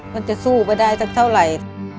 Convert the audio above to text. มันจะสู้ไปได้สักเท่าไหร่